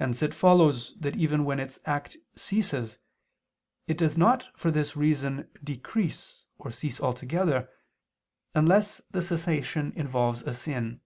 Hence it follows that even when its act ceases, it does not for this reason decrease, or cease altogether, unless the cessation involves a sin.